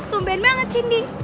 tumben banget sini